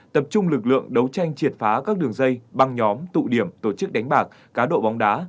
tập trung lực lượng đấu tranh triệt phá các đường dây băng nhóm tụ điểm tổ chức đánh bạc cá độ bóng đá